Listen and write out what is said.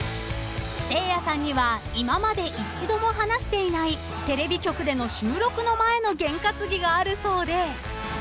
［せいやさんには今まで一度も話していないテレビ局での収録の前のゲン担ぎがあるそうで］